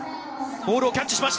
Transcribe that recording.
ボールをキャッチしました。